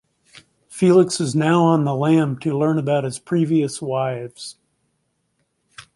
Felix is now on the lam to learn about his previous wives.